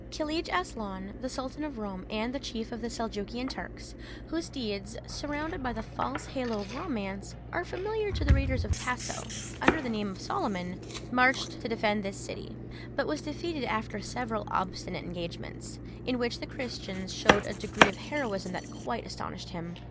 Kilij Aslaun the sultan of Roum and chief of the Seljukian Turks, whose deeds, surrounded by the false halo of romance, are familiar to the readers of Tasso, under the name of Soliman, marched to defend this city, but was defeated after several obstinate engagements, in which the Christians shewed a degree of heroism that quite astonished him.